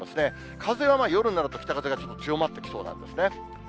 風は夜になると北風がちょっと強まってきそうなんですね。